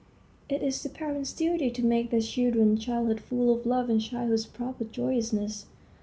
It is the parents' duty to make their children's childhood full of love and childhood's proper joyousness.